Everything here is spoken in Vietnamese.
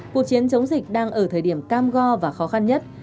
cuộc chiến chống dịch đang ở thời điểm cam go và khó khăn nhất